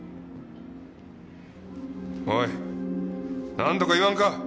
おいなんとか言わんか！